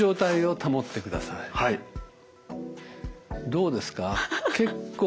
どうですか結構。